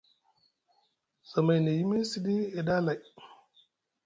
Zamay nʼe yimiŋ siɗi e ɗa lay.